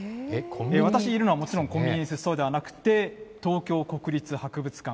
私いるのはもちろん、コンビニエンスストアではなくて、東京国立博物館、